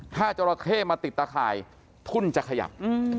ถ้าจราเข้มาติดตะข่ายทุ่นจะขยับ